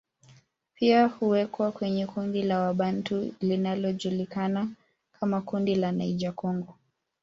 Pia huwekwa kwenye kundi la Wabantu lijulikanalo kama kundi la Niger Congo